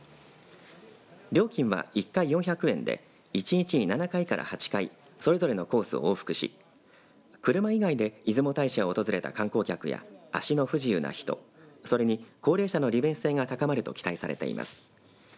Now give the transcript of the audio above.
料金は１回４００円で１日に７回から８回それぞれのコースを往復し車以外で出雲大社を訪れた観光客や足の不自由な人それに高齢者の利便性が高まると期待されています。